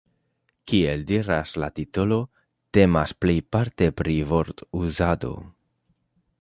Kiel diras la titolo, temas plejparte pri vortuzado.